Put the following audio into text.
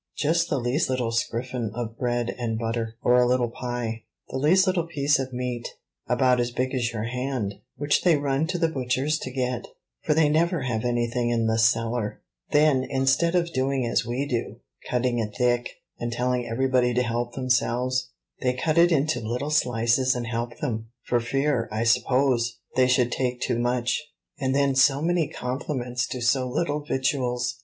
just the least little scriffin of bread and butter, or a little pie; the least little piece of meat, about as big as your hand, which they run to the butcher's to get, for they never have anything in the cellar; then, instead of doing as we do, cutting it thick, and telling everybody to help themselves, they cut it into little slices and help them, for fear, I suppose, they should take too much; and then so many compliments to so little victuals!